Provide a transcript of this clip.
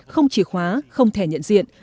không chìa khóa không thẻ nhận diện